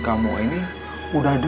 kau menemukan ibu